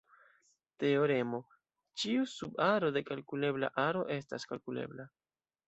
Teoremo: Ĉiu subaro de kalkulebla aro estas kalkulebla.